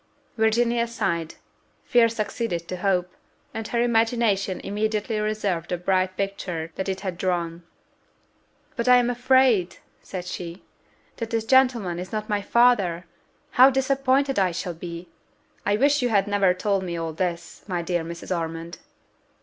Virginia sighed: fear succeeded to hope, and her imagination immediately reversed the bright picture that it had drawn. "But I am afraid," said she, "that this gentleman is not my father how disappointed I shall be! I wish you had never told me all this, my dear Mrs. Ormond."